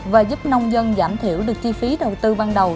và giúp nông dân giảm thiểu được chi phí đầu tư ban đầu